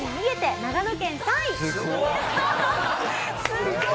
すごい！